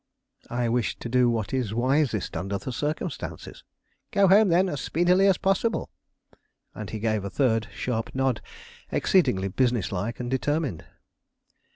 "I wish to do what is wisest under the circumstances." "Go home, then, as speedily as possible." And he gave a third sharp nod exceedingly business like and determined.